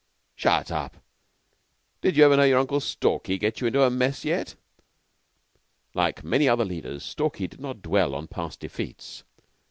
"Shut up! Did you ever know your Uncle Stalky get you into a mess yet?" Like many other leaders, Stalky did not dwell on past defeats.